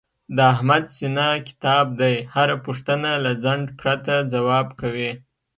د احمد سینه کتاب دی، هره پوښتنه له ځنډ پرته ځواب کوي.